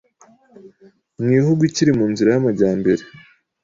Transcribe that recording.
Mu ihugu ikiri mu nzira y'amajyamere